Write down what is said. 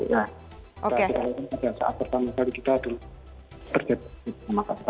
dan pada saat pertama kali kita ada terjadinya